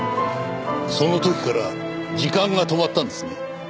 その時から時間が止まったんですね？